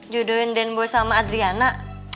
judoin den bos sama adriana